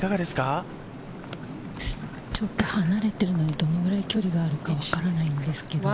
ちょっと離れているので、どのくらいの距離か分からないんですけれど。